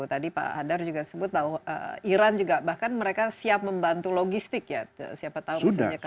tadi pak hadar juga sebut bahwa iran juga bahkan mereka siap membantu logistik ya siapa tahu misalnya